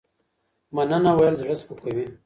مننه ويل زړه سپکوي